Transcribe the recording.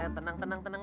iya tenang tenang tenang